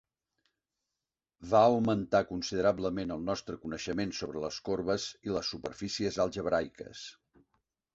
Va augmentar considerablement el nostre coneixement sobre les corbes i les superfícies algebraiques.